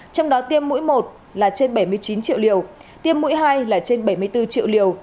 trong đó tiêm mũi một là trên bảy mươi chín triệu liều tiêm mũi hai là trên bảy mươi bốn triệu liều